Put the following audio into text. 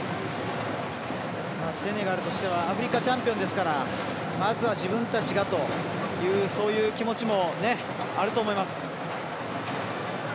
セネガルとしてはアフリカチャンピオンですからまずは自分たちがというそういう気持ちもあると思います。